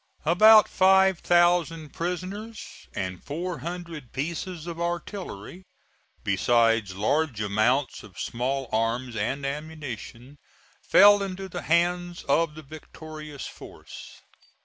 About five thousand prisoners and four hundred pieces of artillery, besides large amounts of small arms and ammunition, fell into the hands of the victorious force.